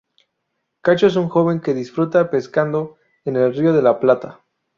Cacho es un joven que disfruta pescando en el Río de la Plata.